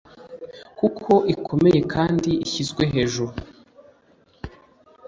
kuko ikomeye kandi ishyizwe hejuru,